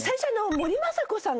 森昌子さんだ！